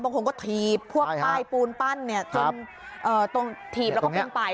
บางคนก็ทีบพวกป้ายปูนปั้นจนทีบแล้วก็ปูนป่าย